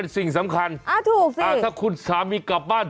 สิ่งสำคัญถ้าคุณสามีกลับบ้าน